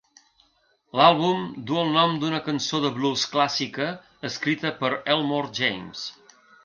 L'àlbum duu el nom d'una cançó de blues clàssica escrita per Elmore James.